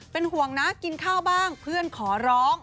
เป็นห่วงนะกินข้าวบ้างเพื่อนขอร้อง